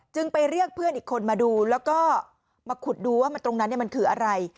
ไปเรียกเพื่อนอีกคนมาดูแล้วก็มาขุดดูว่าตรงนั้นมันคืออะไร